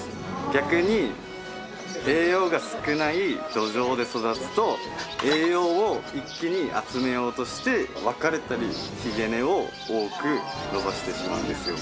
逆に栄養が少ない土壌で育つと栄養を一気に集めようとして分かれたりひげ根を多く伸ばしてしまうんですよ。